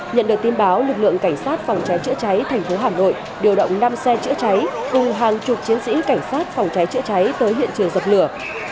nhận được tin báo lực lượng cảnh sát phòng cháy chữa cháy thành phố hà nội điều động năm xe chữa cháy cùng hàng chục chiến sĩ cảnh sát phòng cháy chữa cháy tới hiện trường dập lửa